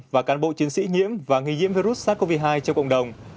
và can bộ chiến sĩ nhiễm và nghi nhiễm virus sars cov hai trong cộng đồng